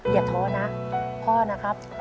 อย่าท้อนะพ่อนะครับ